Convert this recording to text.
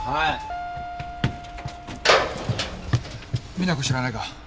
実那子知らないか？